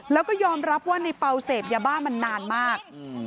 แล้วก็ยอมรับว่าในเปล่าเสพยาบ้ามานานมาก